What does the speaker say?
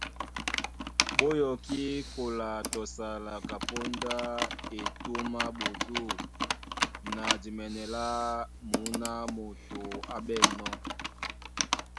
Ɓó yɔkí kola tɔ sala, kapóndá etûm á ɓodû na dimɛnɛ lá mǔná moto á ɓɛ̂nnɔ́.